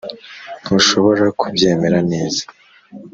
ntushobora kubyemera neza